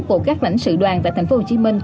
của các lãnh sự đoàn tại tp hcm